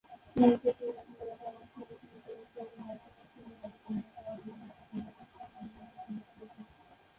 Times of India Times News নেটওয়ার্কের মাধ্যমে সীমা ও কোমল রাও, এই মাতা-কন্যা জুটিকে নিয়ে নিবন্ধ প্রকাশ করেছে।